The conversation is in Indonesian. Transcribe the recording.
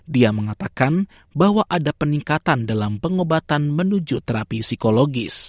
dia mengatakan bahwa ada peningkatan dalam pengobatan menuju terapi psikologis